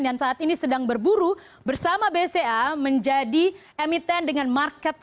dan saat ini sedang berburu bersama bca menjadi emiten dengan market cap